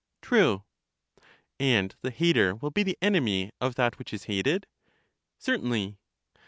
True. And the hater will be the enemy of that which is hated ? Certainly.